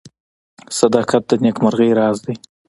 • صداقت د نیکمرغۍ راز دی.